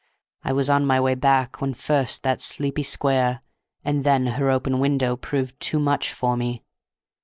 I was on my way back when first that sleepy square, and then her open window, proved too much for me.